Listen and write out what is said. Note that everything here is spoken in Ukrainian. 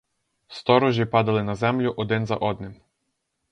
Сторожі падали на землю один за одним.